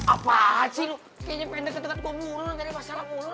apaan sih lo kayaknya pengen deket deket gue burung ada masalah mulu